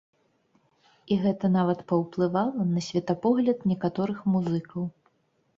І гэта нават паўплывала на светапогляд некаторых музыкаў.